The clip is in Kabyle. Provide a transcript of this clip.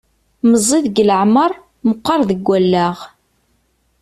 Meẓẓi deg leεmer, meqqer deg allaɣ.